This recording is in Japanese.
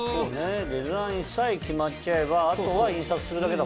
デザインさえ決まっちゃえばあとは印刷するだけだもんね。